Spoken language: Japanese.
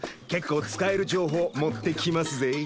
結構使える情報持ってきますぜ？